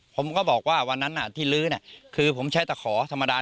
ผมก็บอกว่าวันนั้นที่ลื้อคือผมใช้ตะขอธรรมดา